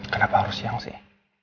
kenapa harus siang sih